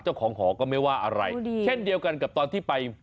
เจ้าของหอก็ไม่ว่าอะไรเช่นเดียวกันกับตอนที่ไป